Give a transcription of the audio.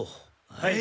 はい。